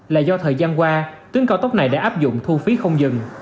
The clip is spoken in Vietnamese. là do thời gian qua tuyến cao tốc này đã áp dụng thu phí không dừng